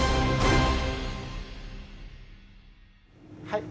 はい。